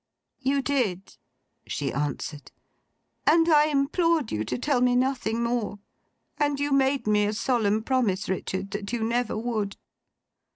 'You did,' she answered. 'And I implored you to tell me nothing more; and you made me a solemn promise, Richard, that you never would.